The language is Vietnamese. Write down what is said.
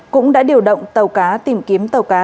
cũng đã điều động tàu cá tìm kiếm tàu cá